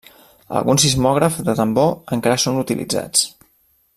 Alguns sismògrafs de tambor encara són utilitzats.